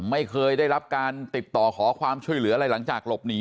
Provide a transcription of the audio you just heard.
ไม่เคยได้รับการติดต่อขอความช่วยเหลืออะไรหลังจากหลบหนี